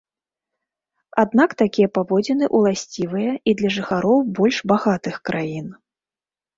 Аднак такія паводзіны ўласцівыя і для жыхароў больш багатых краін.